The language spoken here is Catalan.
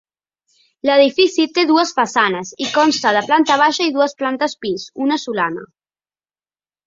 L'edifici té dues façanes i consta de planta baixa i dues plantes pis, una solana.